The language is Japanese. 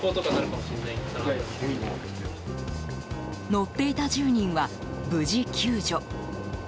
乗っていた１０人は無事救助。